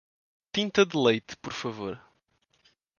Tinta de leite, por favor.